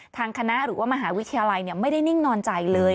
ทางคณะหรือว่ามหาวิทยาลัยไม่ได้นิ่งนอนใจเลย